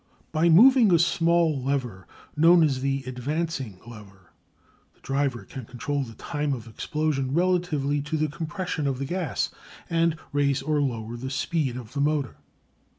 By moving a small lever, known as the "advancing lever," the driver can control the time of explosion relatively to the compression of the gas, and raise or lower the speed of the motor.